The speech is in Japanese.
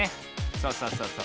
そうそうそうそう。